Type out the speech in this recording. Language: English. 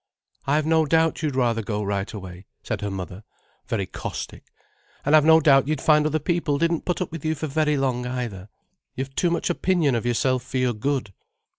"I've no doubt you'd rather go right away," said her mother, very caustic. "And I've no doubt you'd find other people didn't put up with you for very long either. You've too much opinion of yourself for your good."